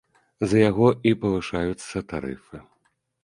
З-за яго і павышаюцца тарыфы.